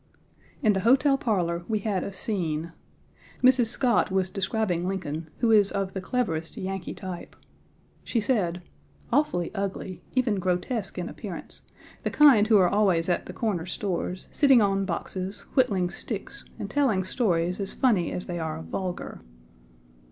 In the hotel parlor we had a scene. Mrs. Scott was describing Lincoln, who is of the cleverest Yankee type. She said: "Awfully ugly, even grotesque in appearance, the kind who are always at the corner stores, sitting on boxes, whittling sticks, and telling stories as funny as they are vulgar."